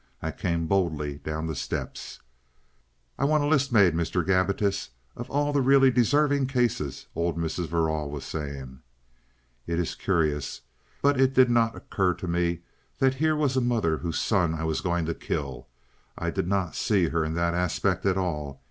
... I came boldly down the steps. "I want a list made, Mr. Gabbitas, of all the really deserving cases," old Mrs. Verrall was saying. It is curious, but it did not occur to me that here was a mother whose son I was going to kill. I did not see her in that aspect at all.